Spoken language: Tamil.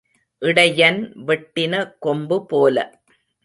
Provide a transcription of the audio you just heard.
இடையன் வெட்டின கொம்பு போல.